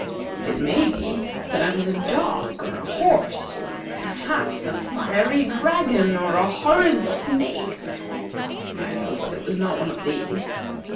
It may be that I was a dog or a horse, or perhaps a fiery dragon or a horrid snake. I hope it was not one of these.